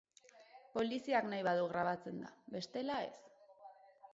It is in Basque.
Poliziak nahi badu grabatzen da, bestela ez.